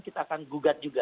kita akan gugat juga